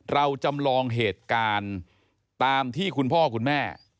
เราจำลองเหตุการณ์ตามที่คุณพ่อคุณแม่